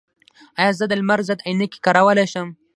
ایا زه د لمر ضد عینکې کارولی شم؟